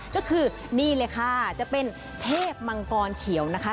ก็คือนี่เลยค่ะจะเป็นเทพมังกรเขียวนะคะ